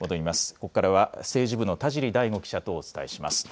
ここからは政治部の田尻大湖記者とお伝えします。